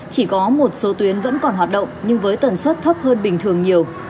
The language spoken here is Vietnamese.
chỉ có một số tuyến vẫn còn hoạt động nhưng với tần suất thấp hơn bình thường nhiều